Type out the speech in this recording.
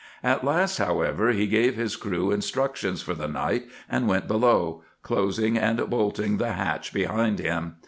At last, however, he gave his crew instructions for the night and went below, closing and bolting the hatch behind him.